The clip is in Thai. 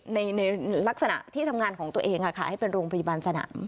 ในลักษณะที่ทำงานของตัวเองให้เป็นโรงพยาบาลสนาม